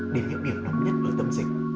đến những điểm nóng nhất ở tâm dịch